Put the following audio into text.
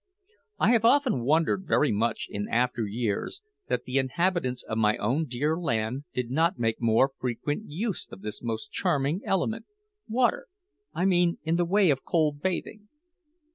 I have often wondered very much in after years that the inhabitants of my own dear land did not make more frequent use of this most charming element, water I mean in the way of cold bathing.